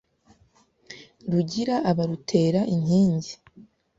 Rugira abarutera inkingi